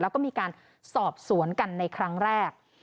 แล้วก็มีการสอบสวนกันในครั้งแรก